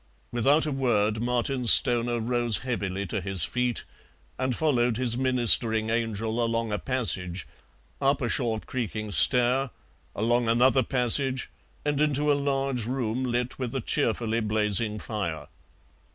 Without a word Martin Stoner rose heavily to his feet and followed his ministering angel along a passage, up a short creaking stair, along another passage, and into a large room lit with a cheerfully blazing fire.